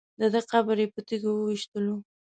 دده قبر یې په تیږو ویشتلو.